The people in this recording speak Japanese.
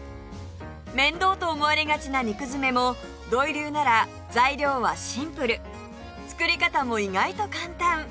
面倒と思われがちな肉づめも土井流なら材料はシンプル作り方も意外と簡単